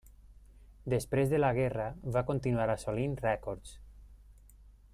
Després de la guerra, va continuar assolint rècords.